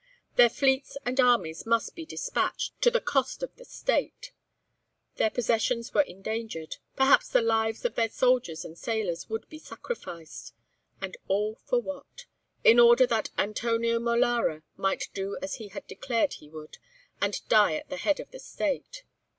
Their fleets and armies must be despatched, to the cost of the State; their possessions were endangered; perhaps the lives of their soldiers and sailors would be sacrificed. And all for what? In order that Antonio Molara might do as he had declared he would, and die at the head of the State.